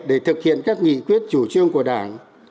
để thực hiện các nghị quyết chủ trương của đảng